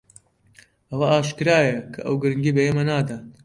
ئەوە ئاشکرایە کە ئەو گرنگی بە ئێمە نادات.